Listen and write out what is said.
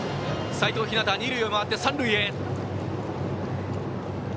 齋藤陽は二塁を回って三塁へ。